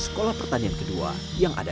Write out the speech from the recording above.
sebuah terobosan yang menekankan